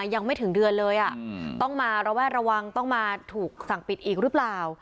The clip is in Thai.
ยังไม่ถึงเดือนเลยต้องมาระแวดระวังต้องมาถูกสั่งปิดอีกหรือเปล่า